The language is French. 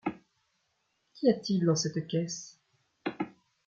Qu’y a-t-il dans cette caisse ?